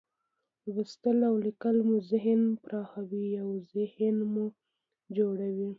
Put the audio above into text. لوستل او لیکل مو ذهن پراخوي، اوذهین مو جوړوي.